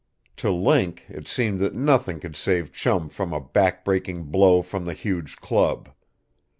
To Link it seemed that nothing could save Chum from a backbreaking blow from the huge club.